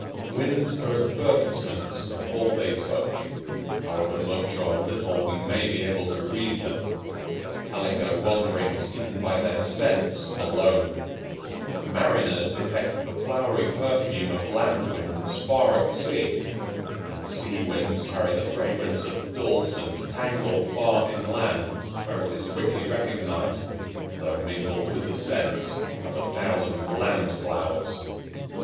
Winds are advertisements of all they touch, however much or little we may be able to read them; telling their wanderings even by their scents alone. Mariners detect the flowery perfume of land winds far at sea, and sea winds carry the fragrance of dulse and tangle far inland, where it is quickly recognized, though mingled with the scents of a thousand land flowers.